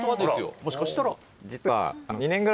もしかしたら。